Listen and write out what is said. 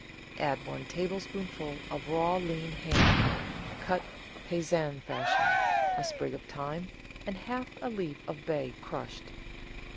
Add one tablespoonful of raw lean ham, cut paysanne fashion, a sprig of thyme, and half a leaf of bay, crushed.